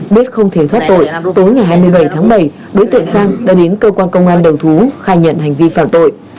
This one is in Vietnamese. biết không thể thoát tội tối ngày hai mươi bảy tháng bảy đối tượng sang đã đến cơ quan công an đầu thú khai nhận hành vi phạm tội